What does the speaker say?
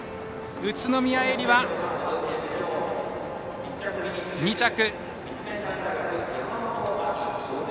宇都宮絵莉は２着。